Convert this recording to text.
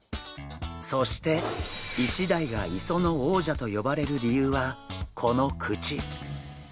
そしてイシダイが磯の王者と呼ばれる理由はこの口！